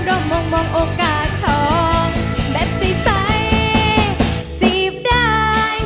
สู้สู้สู้สู้สู้สู้สู้สู้สู้สู้สู้